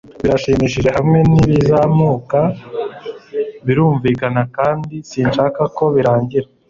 Birashimishije, hamwe nibizamuka, birumvikana kandi sinshaka ko birangira.